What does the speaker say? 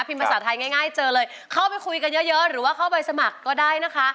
ภาษาไทยง่ายเจอเลยเข้าไปคุยกันเยอะหรือว่าเข้าไปสมัครก็ได้นะคะ